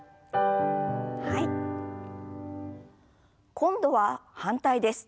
今度は反対です。